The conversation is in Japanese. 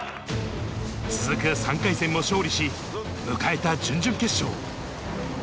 続く３回戦も勝利し、迎えた準々決勝。